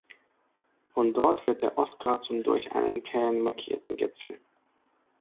Von dort führt der Ostgrat zum durch einen Cairn markierten Gipfel.